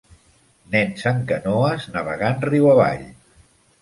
Nens en canoes navegant riu avall.